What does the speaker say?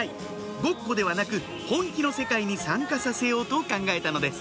ごっこではなく本気の世界に参加させようと考えたのです